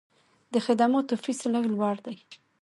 د خدماتو فیس لږ لوړ دی.